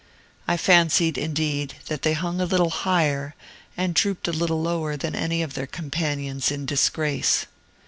I fancied, indeed, that they hung a little higher and drooped a little lower than any of their companions in disgrace.